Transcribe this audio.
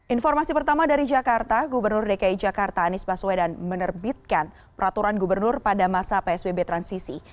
informasi pertama dari jakarta gubernur dki jakarta anies baswedan menerbitkan peraturan gubernur pada masa psbb transisi